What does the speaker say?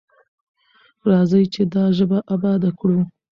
راځئ چې دا ژبه اباده کړو.